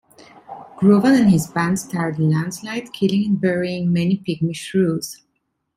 Gruven and his band start a landslide, killing and burying many pygmy shrews.